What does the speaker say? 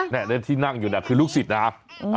นี่ที่นั่งอยู่เนี่ยคือลูกศิษย์นะ